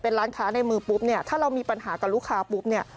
เป็นร้านค้าในมือปุ๊บเนี่ยถ้าเรามีปัญหากับลูกค้าปุ๊บเนี่ย